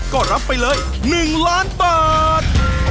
ก็รับไปเลย๑ล้านบาท